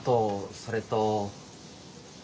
それと？